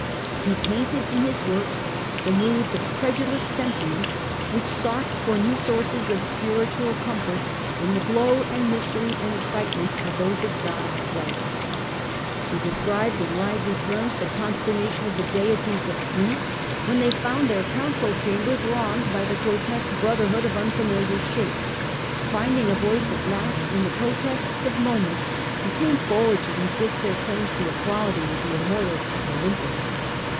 He painted in his works the moods of credulous sentiment which sought for new sources of spiritual comfort in the glow and mystery and excitement of those exotic rites ; CH. Vlll. 192 The Age of the Antonines, he described in lively terms the consternation of the deities of Greece when they found their council chamber thronged by the grotesque brotherhood of unfamiliar shapes, finding a voice at last in the protests of Momus, who came forward to resist their claims to equality with the immortals of Olympus.